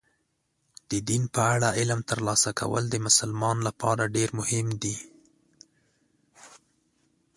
د دین په اړه علم ترلاسه کول د مسلمان لپاره ډېر مهم دي.